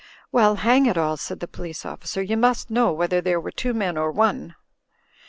'Well, hang it all/' said the police officer, "you must know whether there were two men or one."